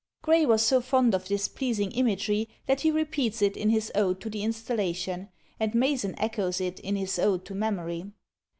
Gray was so fond of this pleasing imagery, that he repeats it in his Ode to the Installation; and Mason echoes it in his Ode to Memory.